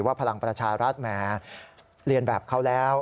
พลังประชารัฐแหมเรียนแบบเขาแล้ว